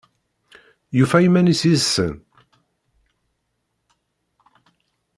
Yufa iman-is yid-sen?